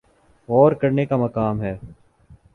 غور کرنے کا مقام ہے۔